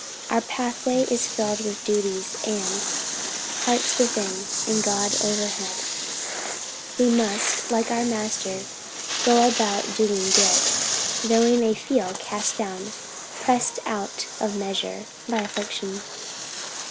Our pathway is filled with duties; and, "Heart within, and God o'er head," we must, like our Master, "go about doing good," though we may feel "cast down, pressed out of measure," by affliction.